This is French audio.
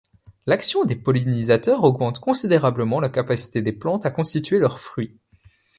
L'action des pollinisateurs augmente considérablement la capacité des plantes à constituer leurs fruits.